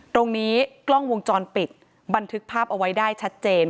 กล้องวงจรปิดบันทึกภาพเอาไว้ได้ชัดเจน